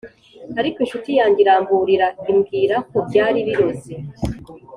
Ariko incuti yanjye iramburira imbwira ko byari biroze